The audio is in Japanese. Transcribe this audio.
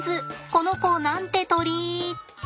この子なんて鳥？